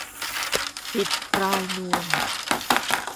ติดปลายนวม